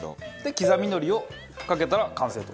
きざみ海苔をかけたら完成と。